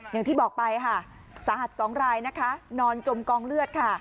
อย่างที่บอกไปค่ะสาหัส๒รายนะคะนอนจมกองเลือดค่ะ